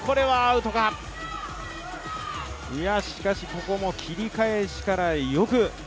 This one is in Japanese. ここも切り返しからよく。